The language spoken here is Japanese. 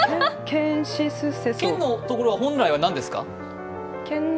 「県」のところは本来は何ですか？